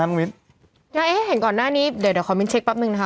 น่ะน้องวิทย์ให้ให้เห็นก่อนหน้านี้เดี๋ยวเดี๋ยวขอมินเช็คปั๊บหนึ่งนะคะ